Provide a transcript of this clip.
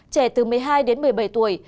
trẻ từ một mươi hai đến một mươi bảy tuổi